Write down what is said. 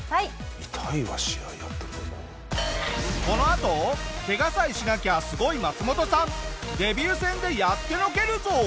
このあとケガさえしなきゃすごいマツモトさんデビュー戦でやってのけるぞ！